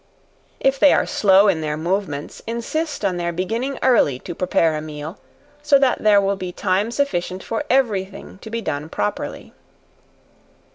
If they are slow in their movements, insist on their beginning early to prepare a meal, so that there will be time sufficient for every thing to be done properly.